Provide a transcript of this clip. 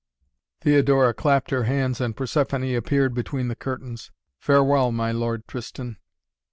Theodora clapped her hands and Persephoné appeared between the curtains. "Farewell, my Lord Tristan.